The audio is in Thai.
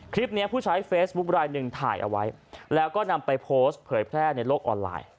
ผู้ใช้เฟซบุ๊คลายหนึ่งถ่ายเอาไว้แล้วก็นำไปโพสต์เผยแพร่ในโลกออนไลน์